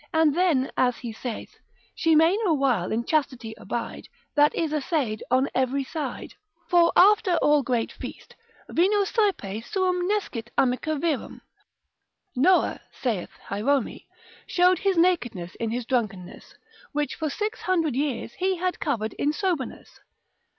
and then as he saith, She may no while in chastity abide. That is assaid on every side. For after al great feast, Vino saepe suum nescit amica virum. Noah (saith Hierome) showed his nakedness in his drunkenness, which for six hundred years he had covered in soberness.